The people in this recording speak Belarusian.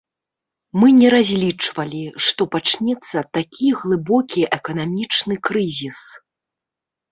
Мы не разлічвалі, што пачнецца такі глыбокі эканамічны крызіс.